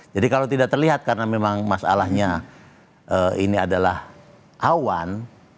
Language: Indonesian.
jadi kalau tidak terlihat karena memang masalahnya ini adalah awan